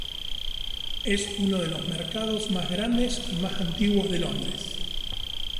Es uno de los mercados más grandes y más antiguos de Londres.